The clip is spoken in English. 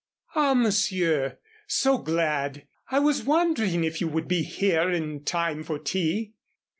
"Ah monsieur! so glad! I was wondering if you'd be here in time for tea."